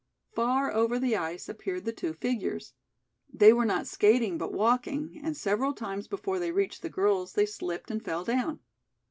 Far over the ice appeared the two figures. They were not skating but walking, and several times before they reached the girls they slipped and fell down.